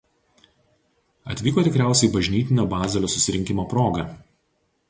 Atvyko tikriausiai bažnytinio Bazelio susirinkimo proga.